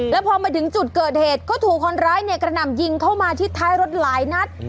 แล้วพอมาถึงจุดเกิดเหตุก็ถูกคนร้ายเนี่ยกระหน่ำยิงเข้ามาที่ท้ายรถหลายนัด